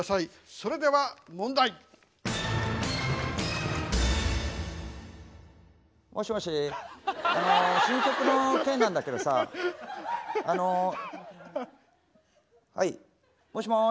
それでは問題！もしもし新曲の件なんだけどさあのはいもしもし。